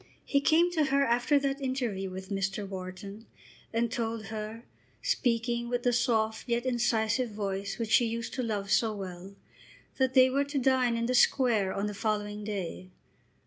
He came to her after that interview with Mr. Wharton and told her, speaking with the soft yet incisive voice which she used to love so well, that they were to dine in the Square on the following day.